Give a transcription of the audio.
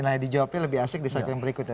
nah dijawabnya lebih asik di side yang berikut ya